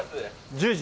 １０時？